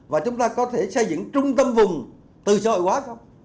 và chúng ta có thể xây dựng trung tâm vùng từ xã hội hóa không